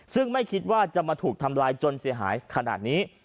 ซึ่งไม่คิดว่าจะมาถูกทำลายจนเสียหายขนาดนี้